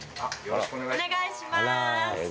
よろしくお願いします。